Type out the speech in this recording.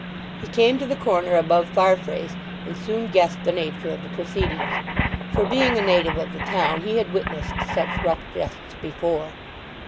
He came to the corner above Farfrae's, and soon guessed the nature of the proceedings; for being a native of the town he had witnessed such rough jests before.